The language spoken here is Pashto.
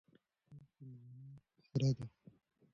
دا هندوانه سره ده.